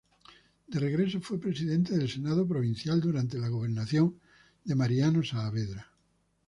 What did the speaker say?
De regreso fue presidente del senado provincial, durante la gobernación de Mariano Saavedra.